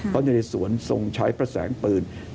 พระนเรศวรทรงใช้พระแสงปืน